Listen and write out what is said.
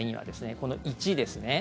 この１ですね。